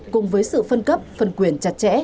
cùng với sự phân cấp phân quyền chặt chẽ